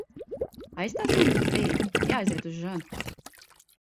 Aizstāsi mani uz brīdi? Jāaiziet uz žani.